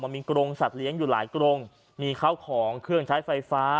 มีกรงสัตว์เลี้ยงอยู่หลายกรงมีข้าวของเครื่องใช้ไฟฟ้า